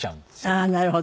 ああなるほど。